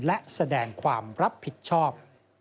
และแสดงความรับผิดชอบ